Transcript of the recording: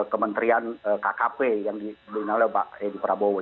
kementerian kkp yang diberikan oleh pak edi prabowo